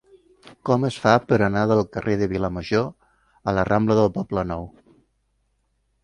Com es fa per anar del carrer de Vilamajor a la rambla del Poblenou?